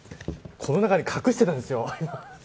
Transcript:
この中に隠してたんですよ。